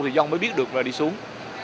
chứ được và đi xuống